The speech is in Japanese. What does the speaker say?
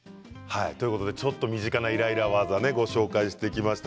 ちょっと身近なイライラ技をご紹介しました。